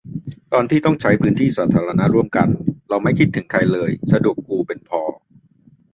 ตอนที่ต้องใช้พื้นที่สาธารณะร่วมกัน เราไม่คิดถึงใครเลย สะดวกกูเป็นพอ